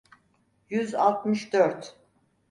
Yüz altmış dört.